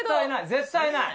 絶対ない。